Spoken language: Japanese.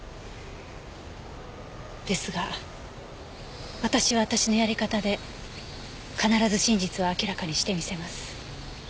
ですが私は私のやり方で必ず真実を明らかにしてみせます。